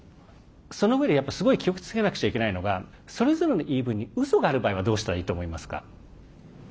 そのうえで、すごく気をつけなきゃいけないのがそれぞれの言い分にうそがある場合はどうしたらいいと思いますか。